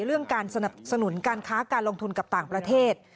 เรื่องการสนับสนุนการค้าการลงทุนกับต่างประเทศ